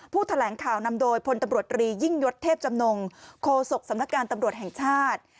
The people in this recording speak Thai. แถลงข่าวนำโดยพลตำรวจรียิ่งยศเทพจำนงโคศกสำนักการตำรวจแห่งชาติ